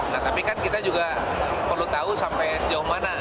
nah tapi kan kita juga perlu tahu sampai sejauh mana